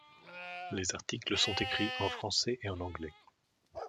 Les articles sont écrits en français et en anglais.